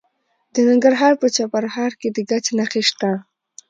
د ننګرهار په چپرهار کې د ګچ نښې شته.